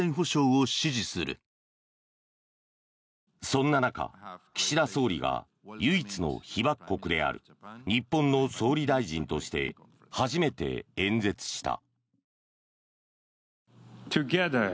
そんな中、岸田総理が唯一の被爆国である日本の総理大臣として初めて演説した。